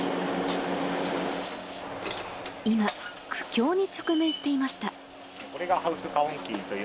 今、苦境に直面していました。